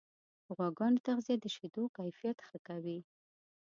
د غواګانو تغذیه د شیدو کیفیت ښه کوي.